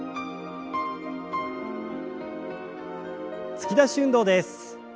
突き出し運動です。